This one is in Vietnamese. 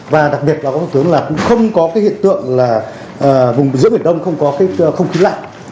và đặc biệt là không có hiện tượng là vùng giữa biển đông không có không khí lạnh